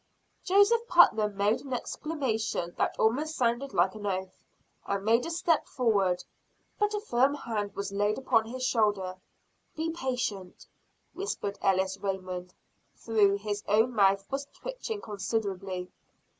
Joseph Putnam made an exclamation that almost sounded like an oath, and made a step forward; but a firm hand was laid upon his shoulder. "Be patient!" whispered Ellis Raymond, though his own mouth was twitching considerably.